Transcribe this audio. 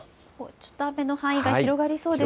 ちょっと雨の範囲が広がりそうですね。